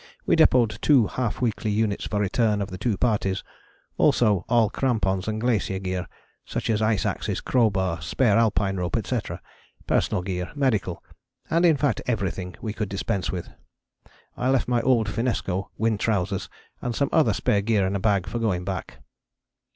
We depôted two half weekly units for return of the two parties, also all crampons and glacier gear, such as ice axes, crowbar, spare Alpine rope, etc., personal gear, medical, and in fact everything we could dispense with. I left my old finnesko, wind trousers and some other spare gear in a bag for going back.